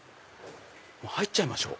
入っちゃいましょう。